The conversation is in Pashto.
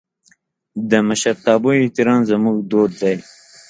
د مشرتابه احترام زموږ دود دی.